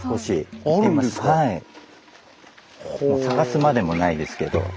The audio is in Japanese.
探すまでもないですけど。